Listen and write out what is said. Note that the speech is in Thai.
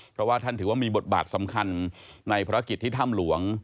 เพราะว่าท่านถือว่ามีบทบาทสำคัญในภารกิจที่ถ้ำหลวง